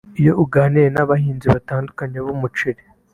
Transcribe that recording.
Iyo uganiriye n’abahinzi batandukanye b’umuceli